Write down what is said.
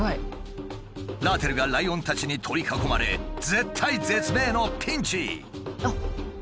ラーテルがライオンたちに取り囲まれ絶体絶命のピンチ。